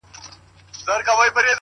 په افغانستان کي د مخدره توکو وده -